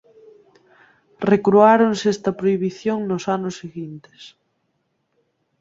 Recruándose esta prohibición nos anos seguintes.